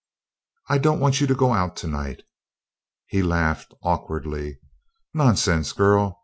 "I don't want you to go out tonight." He laughed awkwardly. "Nonsense, girl!